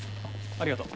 ありがとう。